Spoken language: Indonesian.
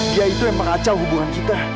dia itu yang mengacau hubungan kita